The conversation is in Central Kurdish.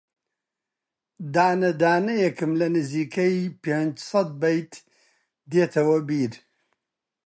دانە دانەیێکم لە نزیکەی پێنجسەد بەیت دێتەوە بیر